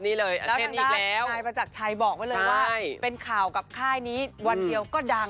แล้วตอนนี้นายประจักรชัยบอกไว้เลยว่าเป็นข่าวกับค่ายนี้วันเดียวก็ดัง